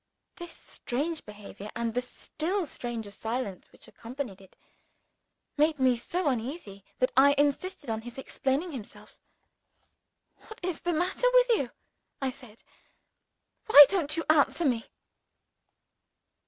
This strange behavior and the still stranger silence which accompanied it, made me so uneasy that I insisted on his explaining himself. "What is the matter with you?" I said. "Why don't you answer me?"